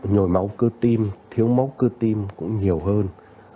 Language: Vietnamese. nhồi máu cơ tim thiếu máu cơ tim cũng nhiều hơn